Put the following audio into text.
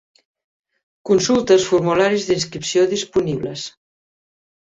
Consulta els formularis d'inscripció disponibles.